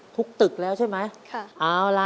ทุกตึกแล้วใช่มั้ย